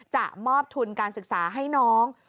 มอบทุนการศึกษาให้น้อง